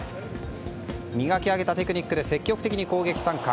磨き上げたテクニックで積極的に攻撃参加。